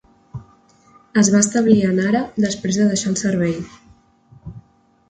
Es va establir a Nara després de deixar el servei.